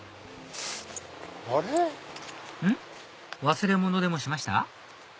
忘れ物でもしました？